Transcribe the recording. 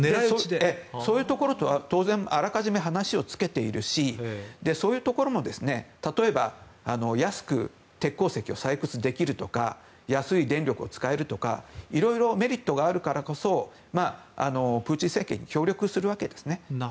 そういうところとあらかじめ話をつけているしそういうところも例えば安く鉄鉱石を採掘できるとか安い電力を使えるとか色々メリットがあるからこそプーチン政権に協力するわけですね。